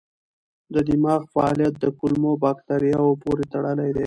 د دماغ فعالیت د کولمو بکتریاوو پورې تړلی دی.